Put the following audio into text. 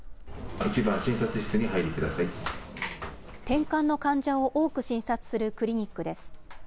てんかんの患者を多く診察するクリニックです。